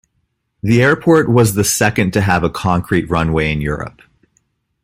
The airport was the second to have a concrete runway in Europe.